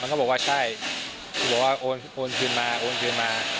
มันก็บอกว่าใช่มันก็เอาโอนคืนมาโอนคืนมา